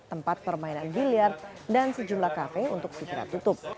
tempat permainan gilyar dan sejumlah kafe untuk sihirat tutup